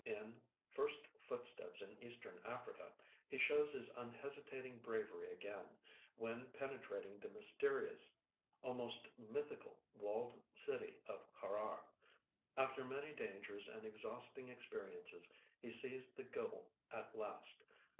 In 'First Footsteps in Eastern Africa' he shows his unhesitating bravery again, when penetrating the mysterious, almost mythical walled city of Harar. After many dangers and exhausting experiences he sees the goal at last.